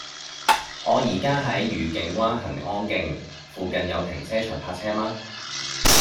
我依家喺愉景灣蘅安徑，附近有停車場泊車嗎